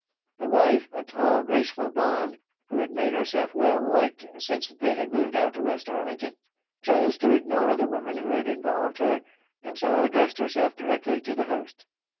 The wife, a tall, graceful blonde, who had made herself well liked since they had moved out to West Arlington, chose to ignore the woman who had involved her, and so addressed herself directly to the host.